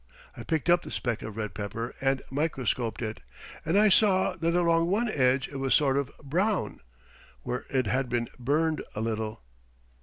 I picked up the speck of red pepper and microscoped it, and I saw that along one edge it was sort of brown, where it had been burned a little."